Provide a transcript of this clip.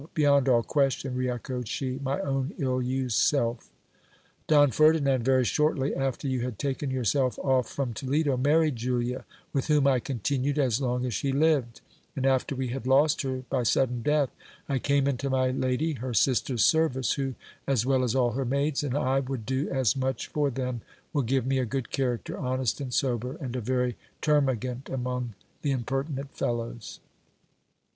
Beyond all question, re echoed she, my own ill used self. Don Ferdinand, very shortly after you had taken yourself off from Toledo, married Julia, with whom I continued as long as she lived ; and, after we had lost her by sudden death, I came into my lady her sister's service, who, as well as all her maids, and I would do as much for them, will give me a good character ; honest and sober, and a very terma gant among the impertinent fellows.